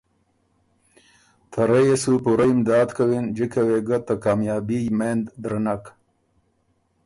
ته رۀ يې سو پُورۀ امداد کوِن جکه وې ګه ته کامیابي یمېند درنک۔